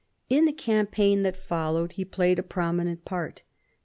In the campaign that followed he played a prominent part.